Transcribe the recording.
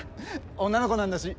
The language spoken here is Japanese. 女の子なんだし。